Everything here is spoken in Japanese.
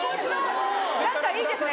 何かいいですね